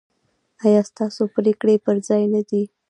ایا ستاسو پریکړې پر ځای نه دي؟